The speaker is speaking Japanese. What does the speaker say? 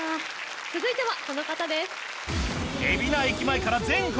続いてはこの方です。